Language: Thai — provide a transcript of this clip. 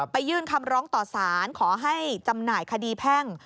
ยื่นคำร้องต่อสารขอให้จำหน่ายคดีแพ่ง